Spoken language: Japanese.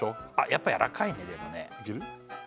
やっぱやらかいねでもねいける？